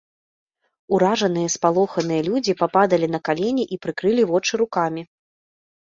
Уражаныя і спалоханыя людзі пападалі на калені і прыкрылі вочы рукамі.